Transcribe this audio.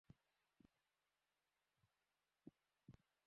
তিনি মনে প্রাণে বিশ্বাস করেন, বাংলাদেশেই তাঁর শেকড়, এটাই তাঁর স্বপ্ন।